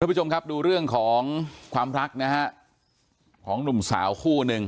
ผู้ชมครับดูเรื่องของความรักนะฮะของหนุ่มสาวคู่หนึ่ง